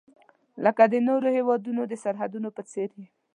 لکه د نورو هیوادونو د سرحدونو په څیر یې.